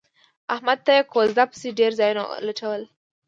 احمد ته یې کوزده پسې ډېر ځایونه ولټول